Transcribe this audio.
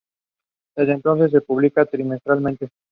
Desde entonces, se publica trimestralmente.